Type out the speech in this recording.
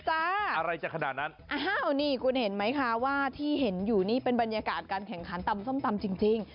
อะไรจะขนาดนั้นอ้าวนี่คุณเห็นไหมคะว่าที่เห็นอยู่นี่เป็นบรรยากาศการแข่งขันตำส้มตำจริง